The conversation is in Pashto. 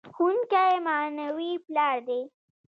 ښوونکی معنوي پلار دی.